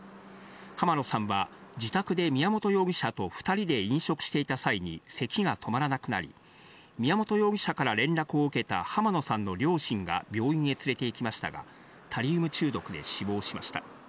浜野さんは自宅で宮本容疑者と２人で飲食していた際にせきが止まらなくなり、宮本容疑者から連絡を受けた浜野さんの両親が病院へ連れて行きましたが、タリウム中毒で死亡しました。